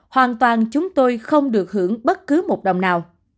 hoàn toàn chúng tôi không được hưởng bất cứ một đồng nào